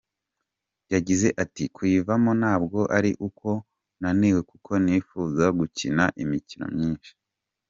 Yagize ati “Kuyivamo ntabwo ari uko naniwe kuko nifuza gukina imikino myinshi.